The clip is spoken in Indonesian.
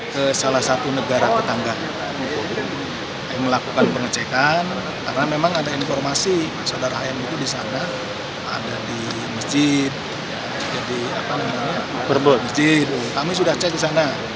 ke salah satu negara tetangga yang melakukan pengecekan karena memang ada informasi saudara saudara yang itu disana ada di masjid kami sudah cek disana